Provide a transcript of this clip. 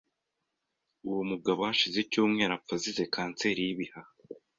Uwo mugabo hashize icyumweru apfa azize kanseri y'ibihaha .